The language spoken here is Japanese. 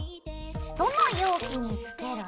どの容器につける？